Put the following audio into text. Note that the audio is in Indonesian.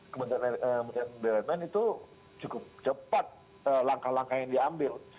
kementerian bumn itu cukup cepat langkah langkah yang diambil